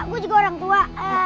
gua juga orang tua